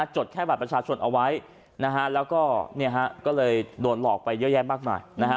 จดแค่บัตรประชาชนเอาไว้นะฮะแล้วก็ก็เลยโดนหลอกไปเยอะแยะมากมายนะฮะ